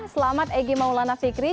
selamat egy maulana fikri